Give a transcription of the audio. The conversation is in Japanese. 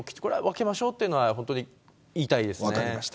これは分けましょうというのは本当に言いたいですね。